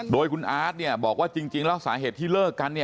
โดยคุณอาร์ตบอกว่าจริงแล้วสาเหตุที่เลิกกัน